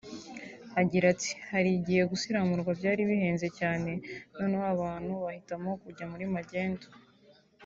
Agira ati “…hari igihe gusiramurwa byari bihenze cyane noneho abo bantu bahitagamo kujya muri magendu